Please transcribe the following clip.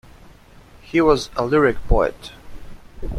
He was a lyric poet.